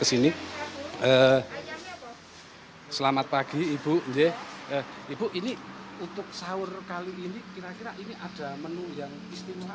kesini eh selamat pagi ibu ini untuk sahur kali ini kira kira ini ada menu yang istimewa